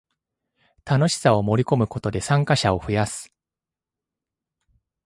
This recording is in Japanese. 楽しさを盛りこむことで参加者を増やす